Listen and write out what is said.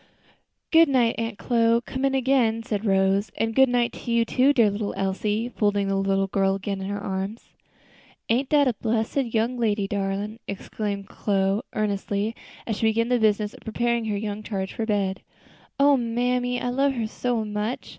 "Good night, Aunt Chloe; come in again," said Rose. "And good night to you, too, dear little Elsie," folding the little girl again in her arms. "Ain't dat a bressed young lady, darlin'!" exclaimed Chloe, earnestly, as she began the business of preparing her young charge for bed. "O mammy, I love her so much!